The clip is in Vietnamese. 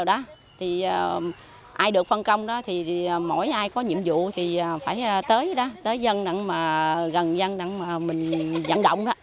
ai được phân công thì mỗi ai có nhiệm vụ thì phải tới dân gần dân để mình dẫn động